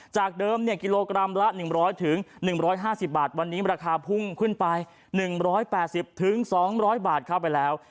จากเดิมกิโลกรัมละ๑๐๐๑๕๐บาทวันนี้ราคาพุ่งขึ้นไป๑๘๐๒๐๐บาทเข้าไปแล้ว